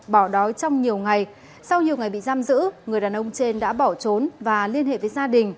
bỏ đói trong nhiều ngày sau nhiều ngày bị giam giữ người đàn ông trên đã bỏ trốn và liên hệ với gia đình